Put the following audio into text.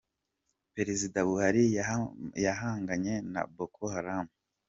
Perezida Buhari yahanganye na Boko Haram.